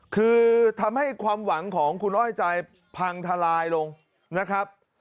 คือทำให้ความหวังของคุณอ้อยใจพังทลายลงนะครับ